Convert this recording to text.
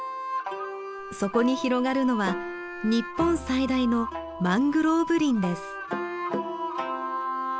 そこに広がるのは日本最大のマングローブ林です。